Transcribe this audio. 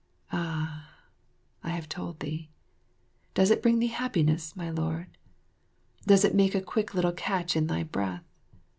Ah ! I have told thee. Does it bring thee happiness, my lord? Does it make a quick little catch in thy breath?